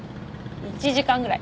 １時間ぐらい。